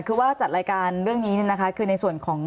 คือว่าจัดรายการเรื่องนี้คือในส่วนของ